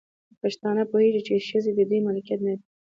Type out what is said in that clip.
پښتانه پوهيږي، چې ښځې د دوی ملکيت نه دی